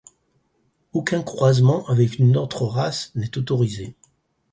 Aucun croisement avec une autre race n'est autorisé.